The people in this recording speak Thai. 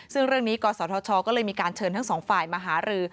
ซึ่งเรื่องนี้กศธชก็เลยมีการเชิญทั้งสองฝ่ายมาหารือ